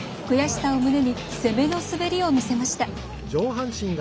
悔しさを胸に攻めの滑りを見せました。